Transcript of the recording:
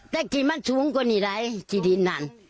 แต่จิมันสูงกว่านี้เลยที่ดินนั้น